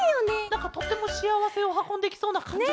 なんかとてもしあわせをはこんできそうなかんじするケロよね。